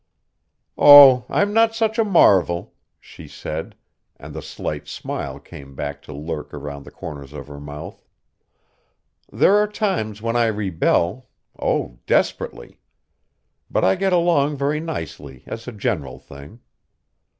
"Oh, I'm not such a marvel," she said, and the slight smile came back to lurk around the corners of her mouth. "There are times when I rebel oh, desperately. But I get along very nicely as a general thing.